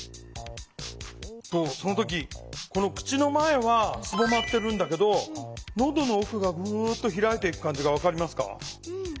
その時口の前はすぼまってるんだけどのどの奥が開いていく感じが分かりますか？